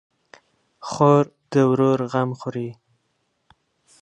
خور د ورور غم خوري.